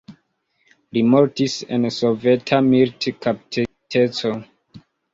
Li mortis en soveta militkaptiteco.